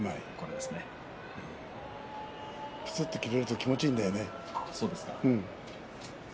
ぶつっと切れると気持ちいいんだよね。